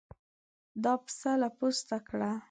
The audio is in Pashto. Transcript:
دا پسه له پوسته کړه.